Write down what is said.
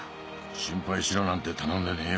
心配しろなんて頼んでねえよ。